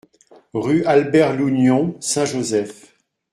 Rue Albert Lougnon, Saint-Joseph